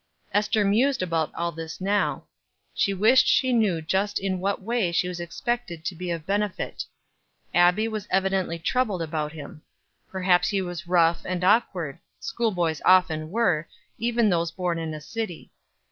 Ester mused about all this now; she wished she knew just in what way she was expected to be of benefit. Abbie was evidently troubled about him. Perhaps he was rough and awkward; school boys often were, even those born in a city.